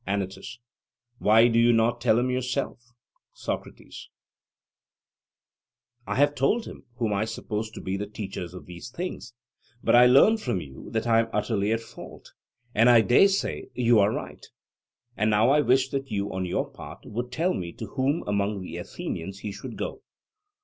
ANYTUS: Why do you not tell him yourself? SOCRATES: I have told him whom I supposed to be the teachers of these things; but I learn from you that I am utterly at fault, and I dare say that you are right. And now I wish that you, on your part, would tell me to whom among the Athenians he should go.